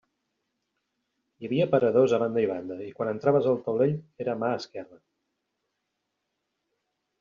Hi havia aparadors a banda i banda, i quan entraves el taulell era a mà esquerra.